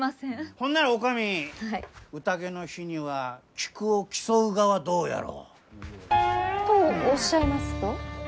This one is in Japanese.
ほんなら女将宴の日には菊を競うがはどうやろう？とおっしゃいますと？